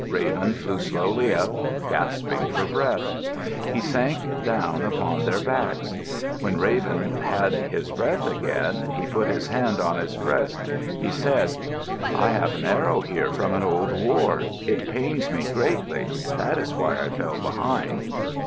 Raven flew slowly up, gasping for breath. He sank down upon their backs. When Raven had his breath again, he put his hand on his breast. He said, "I have an arrow here from an old war. It pains me greatly. That is why I fell behind."